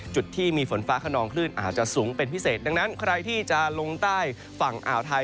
จุดที่มีฝนฟ้าขนองคลื่นอาจจะสูงเป็นพิเศษดังนั้นใครที่จะลงใต้ฝั่งอ่าวไทย